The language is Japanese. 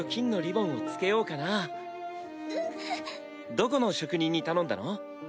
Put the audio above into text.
どこの職人に頼んだの？